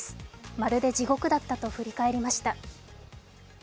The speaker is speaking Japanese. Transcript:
まるで地獄だったと振り返りました。